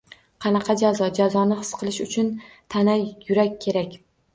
Qanaqa jazo? Jazoni his qilish uchun tana, yurak kerak.